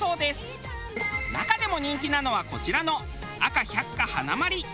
中でも人気なのはこちらの「赤百花華まり」。